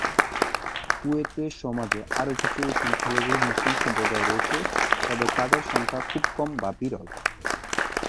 কুয়েতের সমাজে আরও কিছু সংখ্যালঘু মুসলিম সম্প্রদায় রয়েছে, তবে তাদের সংখ্যা খুব কম বা বিরল।